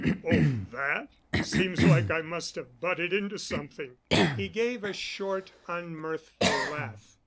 "Oh, that? Seems like I must have butted into something." He gave a short, unmirthful laugh.